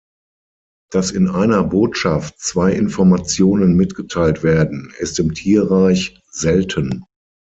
Dass in einer Botschaft zwei Informationen mitgeteilt werden, ist im Tierreich selten.